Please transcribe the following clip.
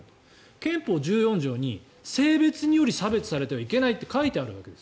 憲法１４条に性別により差別されてはいけないと書いてあるわけです。